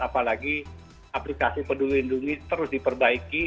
apalagi aplikasi peduli lindungi terus diperbaiki